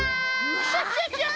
クシャシャシャ！